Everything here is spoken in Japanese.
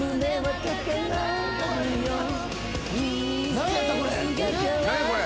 何やったこれ。